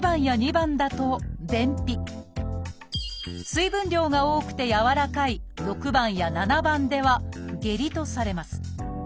水分量が多くてやわらかい６番や７番では下痢とされます。